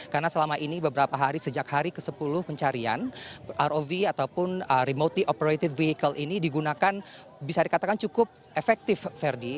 karena selama ini beberapa hari sejak hari ke sepuluh pencarian rov ataupun remotely operated vehicle ini digunakan bisa dikatakan cukup efektif ferdi